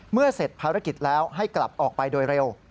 เสร็จภารกิจแล้วให้กลับออกไปโดยเร็ว